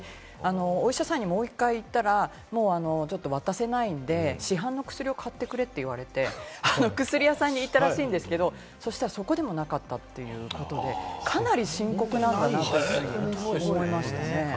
お医者さんにもう１回行ったら、もうちょっと渡せないんで、市販の薬を買ってくれって言われて、薬屋さんに行ったらしいんですけれども、そこでもなかったということで、かなり深刻なんだなと思いましたね。